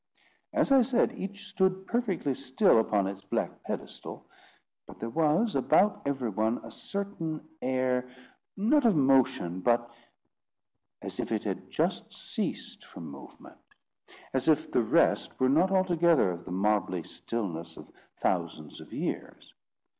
As I said, each stood perfectly still upon its black pedestal: but there was about every one a certain air, not of motion, but as if it had just ceased from movement; as if the rest were not altogether of the marbly stillness of thousands of years.